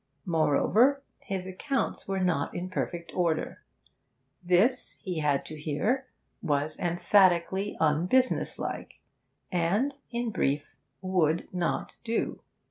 Moreover, his accounts were not in perfect order. This, he had to hear, was emphatically unbusinesslike, and, in brief, would not do.